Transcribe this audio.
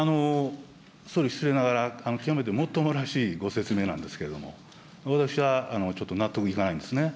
総理、失礼ながら、極めてもっともらしいご説明なんですけども、私はちょっと納得いかないんですね。